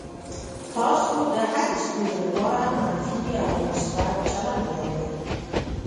تاسو د هرې ستونزې لپاره منفي او مثبت چلند لرئ.